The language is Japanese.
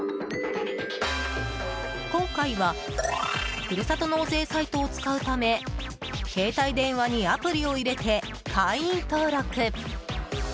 今回はふるさと納税サイトを使うため携帯電話にアプリを入れて会員登録。